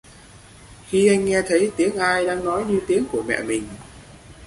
Khi anh nghe thấy tiếng ai đang nói như tiếng của mẹ mình